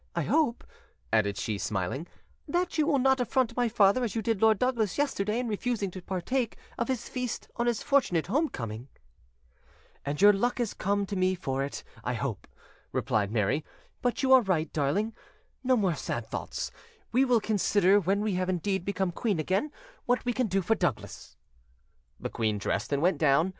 I hope," added she, smiling, "that you will not affront my father as you did Lord Douglas yesterday in refusing to partake of his feast on his fortunate home coming." "And luck has come to me for it, I hope," replied Mary. "But you are right, darling: no more sad thoughts; we will consider when we have indeed become queen again what we can do for Douglas." The queen dressed and went down.